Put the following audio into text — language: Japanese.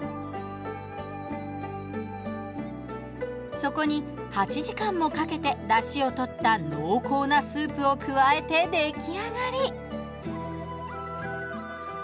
そこに８時間もかけてだしを取った濃厚なスープを加えて出来上がり。